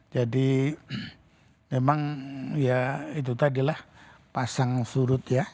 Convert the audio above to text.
memang ya itu tadilah pasang surut ya